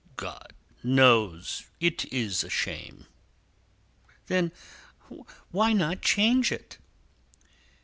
"God knows it is a shame!" "Then why not change it?"